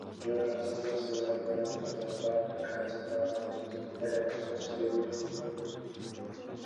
Же Конституция менен мыйзамдар декларативдик эле мүнөздөбү?